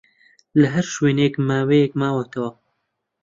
لە ھەر شوێنێک ماوەیەک ماوەتەوە